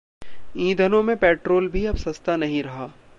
ईंधनों में पेट्रोल भी अब सस्ता नहीं रहा।